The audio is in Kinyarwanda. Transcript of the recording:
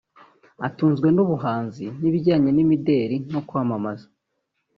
Atunzwe n’ubuhanzi n’ibijyanye n’imideli no kwamamaza